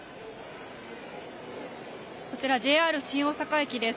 こちらＪＲ新大阪駅です。